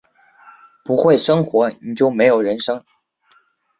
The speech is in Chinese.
不会生活，你就没有人生